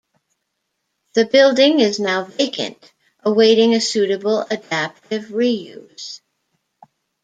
The building is now vacant awaiting a suitable adaptive re-use.